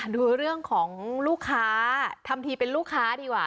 ดูเรื่องของลูกค้าทำทีเป็นลูกค้าดีกว่า